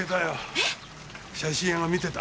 えっ⁉写真屋が見てた。